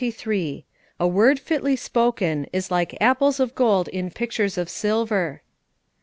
"A word fitly spoken is like apples of gold in pictures of silver."